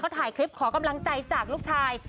ถ่ายคลิปขอกำลังใจจากลูกชาย